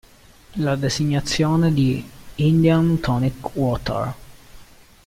La designazione di "Indian Tonic Water.